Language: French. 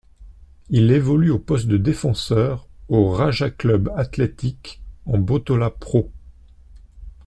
Il évolue au poste de défenseur au Raja Club Athletic en Botola Pro.